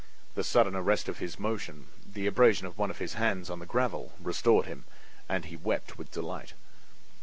The sudden arrest of his motion, the abrasion of one of his hands on the gravel, restored him, and he wept with delight.